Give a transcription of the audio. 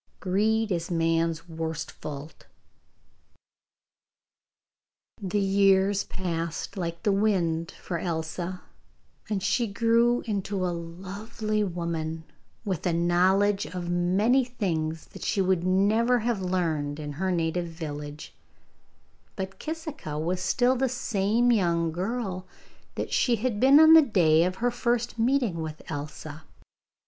Greed is man's worst fault.' The years passed like the wind for Elsa, and she grew into a lovely woman, with a knowledge of many things that she would never have learned in her native village; but Kisika was still the same young girl that she had been on the day of her first meeting with Elsa.